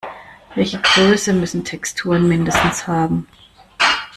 Welche Größe müssen Texturen mindestens haben?